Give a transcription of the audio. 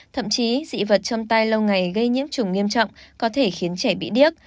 thậm chí dị vật trong tai lâu ngày gây nhiễm trùng nghiêm trọng có thể khiến trẻ bị điếc